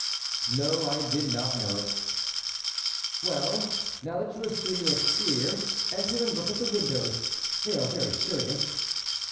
"No, I did not know it." "Well, now that you have seen the exterior, enter and look at the windows they are very curious."